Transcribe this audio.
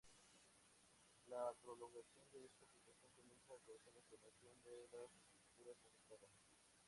La prolongación de esta situación, comienza a causar inflamación de las estructuras afectadas.